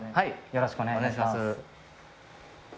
よろしくお願いします。